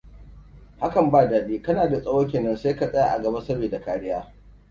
Hakan ba daɗi! Kana da tsaho kenan sai ka tsaya a gaba sabida kariya.